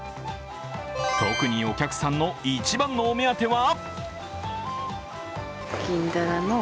特にお客さんの一番のお目当ては？